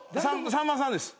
さんまさんです。